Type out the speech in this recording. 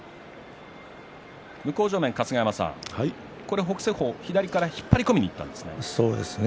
春日山さん、北青鵬左から引っ張り込みにいったんですね。